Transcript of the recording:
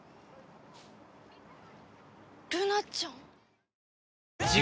ルナちゃん？